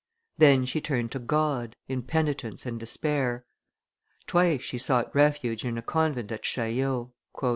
Then she turned to God, in penitence and despair. Twice she sought refuge in a convent at Chaillot.